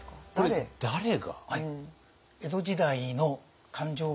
これ誰が？